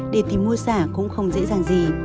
để tìm mua xả cũng không dễ dàng gì